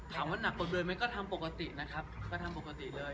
หนักกว่าเดิมไหมก็ทำปกตินะครับก็ทำปกติเลย